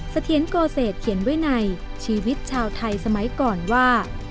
เสถียรโกเศษเขียนไว้ในชีวิตชาวไทยสมัยก่อนว่า